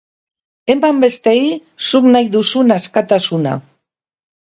Eman besteei zuk nahi duzun askatasuna.